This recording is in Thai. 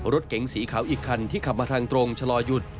รถเก๋งสีขาวอีกคันที่ขับมาทางตรงชะลอหยุด